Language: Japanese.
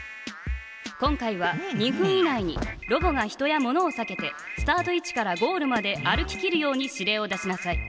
今回は２分以内にロボが人や物をさけてスタート位置からゴールまで歩ききるように指令を出しなさい。